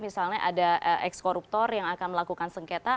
misalnya ada ex koruptor yang akan melakukan sengketa